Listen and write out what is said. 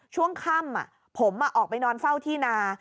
ช่วงค่ำผมออกไปนอนเฝ้าที่นา